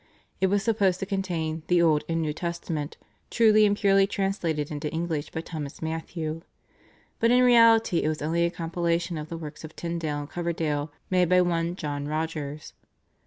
It was supposed to contain "the Old and New Testament, truly and purely translated into English by Thomas Matthew," but in reality it was only a compilation of the works of Tyndale and Coverdale made by one John Rogers.